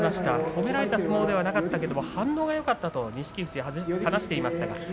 褒められた相撲ではなかったんでけれども反応がよかったということを錦富士は話しています。